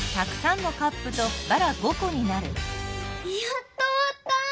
やっとおわった！